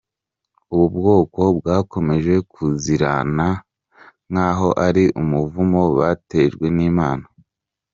Ubu bwoko bwakomeje kuzirana nkaho ari umuvumo batejwe n’Imana.